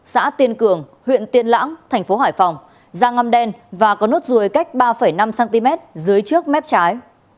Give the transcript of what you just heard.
xã tiên cường huyện tiên lãng thành phố hải phòng ra ngâm đen và có nốt ruồi cách ba năm cm dưới trước mép trái